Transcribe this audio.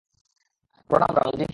প্রণাম, সাধু রামজি।